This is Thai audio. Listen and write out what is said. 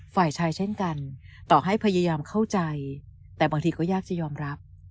ฝ่ายชายเช่นกันต่อให้พยายามเข้าใจแต่บางทีก็ยากจะยอมรับ